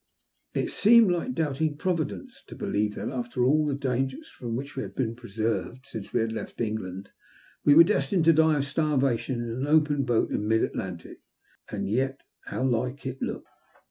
It seemed like doubting Providence to believe that, after all the dangers from which we had been preserved since we had left England, we wore destined to die of starvation in an open boat in mid Atlantic. And yet how Uke it it looked.